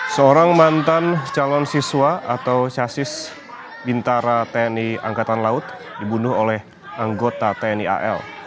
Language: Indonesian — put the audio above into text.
seorang mantan calon siswa atau casis bintara tni angkatan laut dibunuh oleh anggota tni al